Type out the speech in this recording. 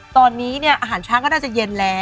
ตอนนี้อาหารช้างก็น่าจะเย็นแล้ว